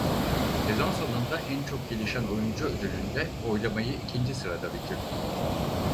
Sezon sonunda En Çok Gelişen Oyuncu ödülünde oylamayı ikinci sırada bitirdi.